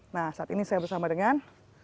nah saat ini saya bersama dengan